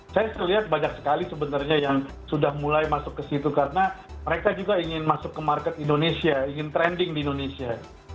saya terlihat banyak sekali sebenarnya yang sudah mulai masuk ke situ karena mereka juga ingin masuk ke market indonesia ingin trending di indonesia